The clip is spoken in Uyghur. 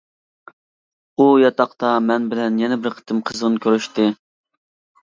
ئۇ ياتاقتا مەن بىلەن يەنە بىر قېتىم قىزغىن كۆرۈشتى.